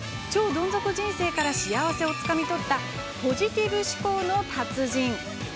超どん底人生から幸せをつかみ取ったポジティブ思考の達人。